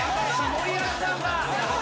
森脇さんが。